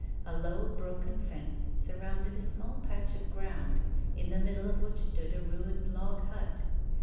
A low broken fence surrounded a small patch of ground, in the middle of which stood a ruined log hut.